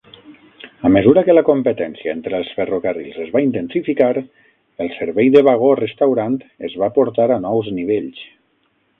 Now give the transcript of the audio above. A mesura que la competència entre els ferrocarrils es va intensificar, el servei de vagó restaurant es va portar a nous nivells.